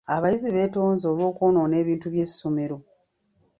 Abayizi beetonze olw'okwonoona ebintu by'essomero.